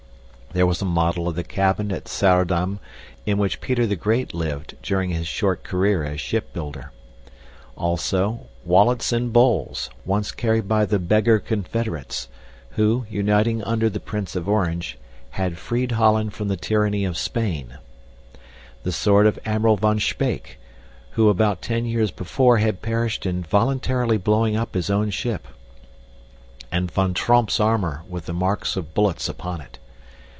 There was a model of the cabin at Saardam in which Peter the Great lived during his short career as ship builder. Also, wallets and bowls once carried by the "Beggar" Confederates, who, uniting under the Prince of Orange, had freed Holland from the tyranny of Spain; the sword of Admiral van Speyk, who about ten years before had perished in voluntarily blowing up his own ship; and Van Tromp's armor with the marks of bullets upon it.